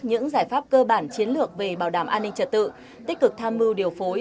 những giải pháp cơ bản chiến lược về bảo đảm an ninh trật tự tích cực tham mưu điều phối